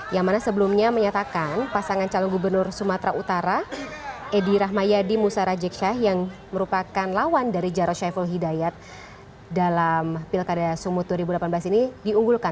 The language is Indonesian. yang mana sebelumnya menyatakan pasangan calon gubernur sumatera utara edi rahmayadi musara jeksyah yang merupakan lawan dari jarod syaiful hidayat dalam pilkada sumut dua ribu delapan belas ini diunggulkan